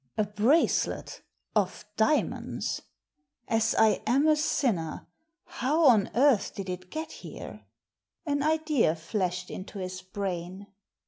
"A bracelet !— of diamonds !— As I am a sinner !— How on earth did it get here ?" An idea flashed into his brain.